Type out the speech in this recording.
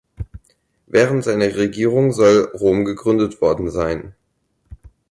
Während seiner Regierung soll Rom gegründet worden sein.